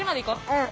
うん。